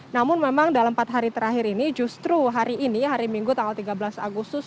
namun memang dalam empat hari terakhir ini justru hari ini hari minggu tanggal tiga belas agustus